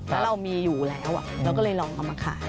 แล้วเรามีอยู่แล้วเราก็เลยลองเอามาขาย